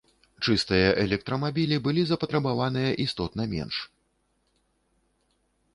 Чыстыя электрамабілі былі запатрабаваныя істотна менш.